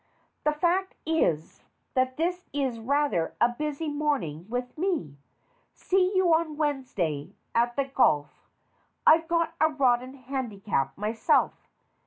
The fact is, that this is rather a busy morning with me. See you on Wednesday at the golf I've got a rotten handicap myself.